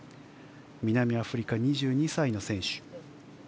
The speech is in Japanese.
南アフリカの２２歳の選手。